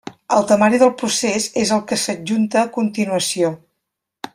El temari del procés és el que s'adjunta a continuació.